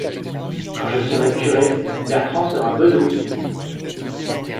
Quand je serai curé, Bertrand sera bedeau.